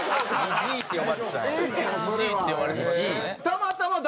「じじい」って呼ばれてましたね。